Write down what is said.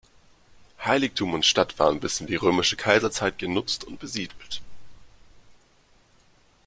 Heiligtum und Stadt waren bis in die römische Kaiserzeit genutzt und besiedelt.